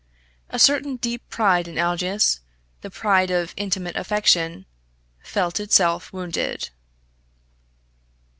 A certain deep pride in Aldous the pride of intimate affection felt itself wounded.